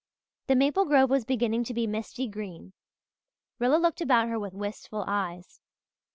The maple grove was beginning to be misty green. Rilla looked about her with wistful eyes.